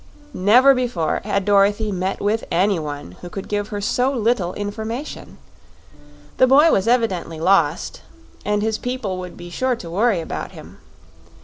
Never before had Dorothy met with anyone who could give her so little information. The boy was evidently lost, and his people would be sure to worry about him.